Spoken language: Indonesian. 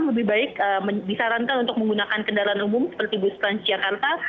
lebih baik disarankan untuk menggunakan kendaraan umum seperti bus transjakarta